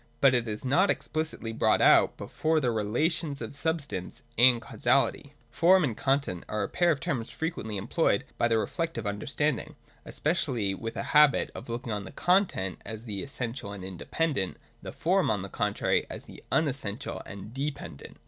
But it is not explicitly brought out before the Relations of Substance and Causality. Form and content are a pair of terms frequently employed by the reflective understanding, especially with a habit of looking on the content as the essential and independent, the J 33 ] CONTENT AND FORM. 243 form on the contrary as the unessential and dependent.